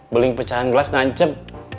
beling pecahan gelas nancep